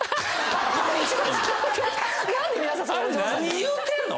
あれ何言うてんの？